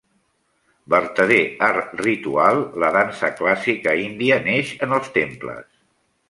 Verdader art ritual, la dansa clàssica índia neix en els temples.